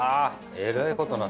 えらいことになってる。